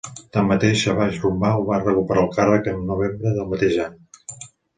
Tanmateix, Savage-Rumbaugh va recuperar el càrrec en novembre del mateix any.